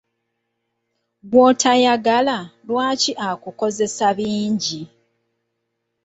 Gw'otoyagala lwaki akukozesa ebingi?